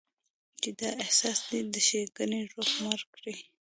چې دا احساس دې د ښېګڼې روح مړ کړي.